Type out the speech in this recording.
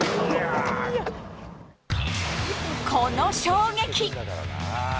この衝撃。